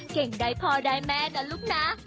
เก่งได้พ่อได้แม่นะลูกนะ